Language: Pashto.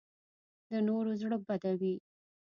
د نورو زړه بدوي